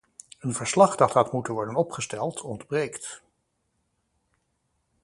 Een verslag dat had moeten worden opgesteld, ontbreekt.